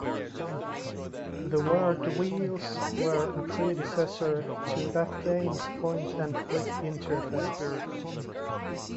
The word wheels were a predecessor to that game's point-and-click interface.